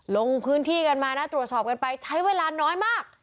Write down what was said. ลงพื้นที่กันมานะตรวจสอบกันไปใช้เวลาน้อยมาก